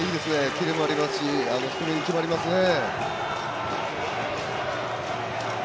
キレもありますし低めに決まりますね。